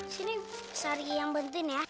sini sari yang bantuin ya